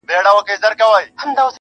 اورېدل يې د رعيتو فريادونه!!